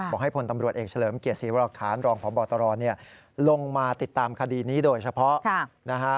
บอกให้พลตำรวจเอกเฉลิมเกียรติศรีวรรคารรองผู้บัญชาการตำรวจแห่งชาติลงมาติดตามคดีนี้โดยเฉพาะ